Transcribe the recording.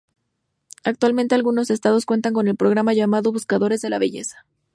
Actualmente algunos estados cuentan con un programa llamado "Buscadores de la Belleza".